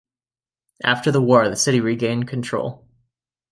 After the war, the city regained control.